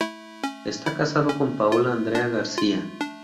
Está casado con Paola Andrea García.